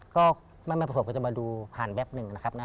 ก็แม่แม่โภษบก็จะมาดูผ่านแบบหนึ่งนะครับนะ